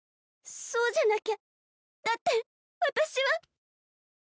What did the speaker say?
そうじゃなきゃだって私は。